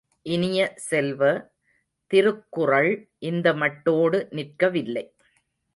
இனிய செல்வ, திருக்குறள் இந்த மட்டோடு நிற்கவில்லை.